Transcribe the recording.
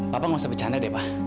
papa gak usah bercanda deh pak